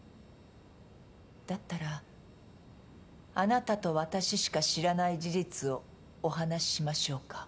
だったらあなたと私しか知らない事実をお話しましょうか。